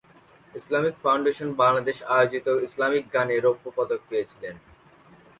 Islamic Foundation Bangladesh আয়োজিত Islamic গানে রৌপ্যপদক পেয়েছিলেন।